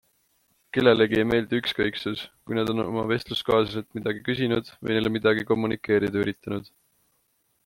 Kellelegi ei meeldi ükskõiksus, kui nad on oma vestluskaaslaselt midagi küsinud või neile midagi kommunikeerida üritanud.